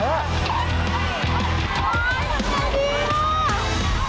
อีกแล้ว